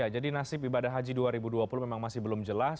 jadi nasib ibadah haji dua ribu dua puluh memang masih belum jelas